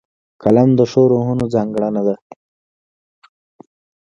قلم د ښو روحونو ځانګړنه ده